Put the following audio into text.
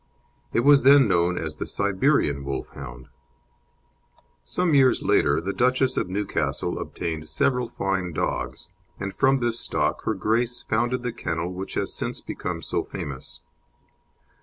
It was then known as the Siberian Wolfhound. Some years later the Duchess of Newcastle obtained several fine dogs, and from this stock Her Grace founded the kennel which has since become so famous.